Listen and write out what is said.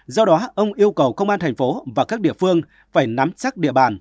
do đó ông yêu cầu công an thành phố và các địa phương phải nắm chắc địa bàn